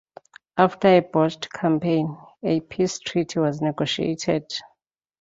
After a botched campaign, a peace treaty was negotiated.